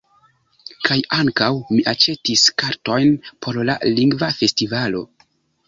Kaj ankaŭ, mi aĉetis kartojn por la Lingva Festivalo.